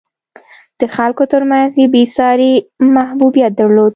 د خلکو ترمنځ یې بېساری محبوبیت درلود.